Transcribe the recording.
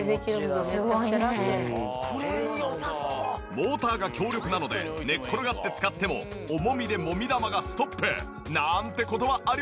モーターが強力なので寝っ転がって使っても重みでもみ玉がストップなんて事はありません！